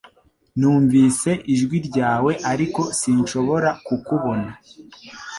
Numvise ijwi ryawe ariko sinshobora kukubona